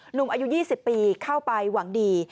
หนุ่มอายุ๒๐ปีเข้าไปหวังดี